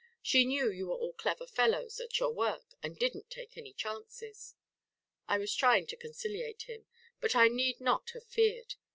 She knew you were all clever fellows at your work and didn't take any chances." I was trying to conciliate him; but I need not have feared.